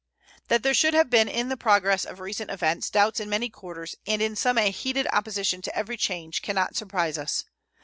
That there should have been in the progress of recent events doubts in many quarters and in some a heated opposition to every change can not surprise us.